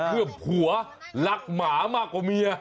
เพื่อผัวรักหมามากกว่าเมีย